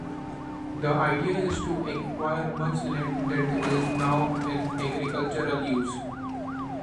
The idea is to acquire much land that is now in agricultural use.